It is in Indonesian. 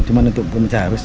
cuma untuk memecah arus